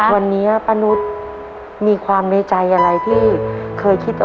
วันนี้ปะนุฏมีความในใจอะไรที่เคยคิดเอาไว้ว่า